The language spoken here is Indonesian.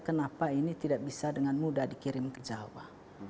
kenapa ini tidak bisa dengan mudah dikirim ke jawa